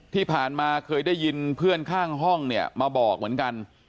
ที่ผ่านมาเคยได้ยินเพื่อนข้างห้องเนี่ยมาบอกเหมือนกัน